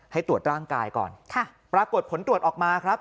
ให้ตรวจร่างกายก่อนปรากฏผลตรวจออกมาครับ